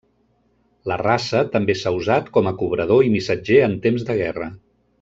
La raça també s'ha usat com a cobrador i missatger en temps de guerra.